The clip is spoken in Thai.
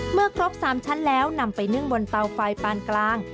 เมื่อครบ๓ชั้นแล้วนำไปนึ่งบนเตาไฟปานกลาง